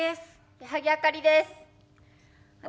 矢作あかりです。